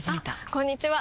あこんにちは！